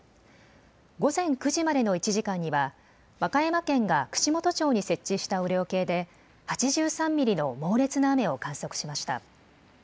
午前９時までの１時間には和歌山県が串本町に設置した雨量計で８３ミリの猛烈な雨を観測しました。